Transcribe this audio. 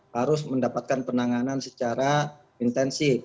harus mendapatkan penanganan secara intensif